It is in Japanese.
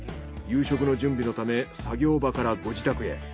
夕食の準備のため作業場からご自宅へ。